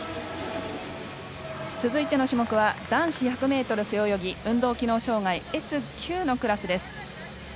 続いての種目は男子１００ｍ背泳ぎ運動機能障がいＳ９のクラス。